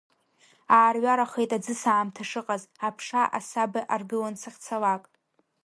Аарҩарахеит аӡысаамҭа шыҟаз, аԥша асаба аргылон сахьцалак.